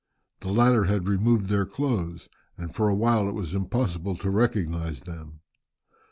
The latter had removed their clothes, and for a while it was impossible to recognize them.